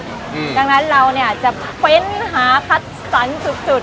อืมดังนั้นเราเนี่ยจะเพ้นหาคัดสรรจุดจุด